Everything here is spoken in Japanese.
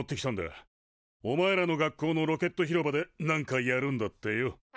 おまえらの学校のロケット広場でなんかやるんだってよ。